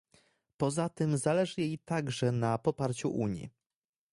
Poza tym zależy jej także na poparciu Unii